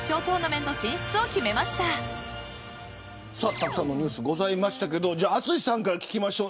たくさんのニュースがありましたが淳さんから聞きましょう。